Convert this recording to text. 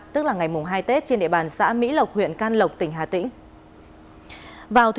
tức là ngày mùng hai tết trên địa bàn xã mỹ lộc huyện can lộc tỉnh hà tĩnh